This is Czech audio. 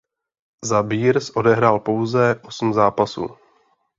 Za Bears odehrál pouze osm zápasů.